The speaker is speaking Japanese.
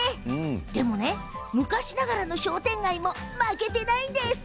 でもね、昔ながらの商店街も負けてないんです。